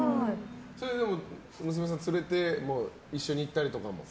娘さんを連れて一緒に行ったりとかも？